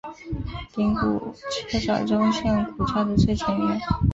顶骨缺少中线骨架的最前缘。